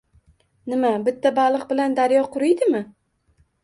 Nima, bitta baliq bilan daryo quriydimi?